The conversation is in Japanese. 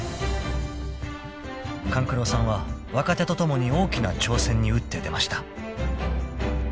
［勘九郎さんは若手と共に大きな挑戦に打って出ました］